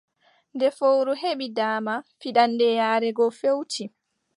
Nde fowru heɓi daama, fiɗaande yaare go feewti,